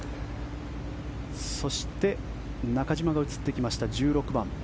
そして中島が映ってきました、１６番。